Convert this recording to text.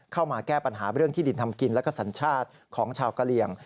เข้ามาแก้ปัญหาเรื่องที่ดินทำกินและก็สัญชาติของชาวกะเหลี่ยง